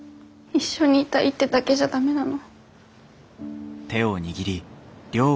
一緒にいたいってだけじゃ駄目なの？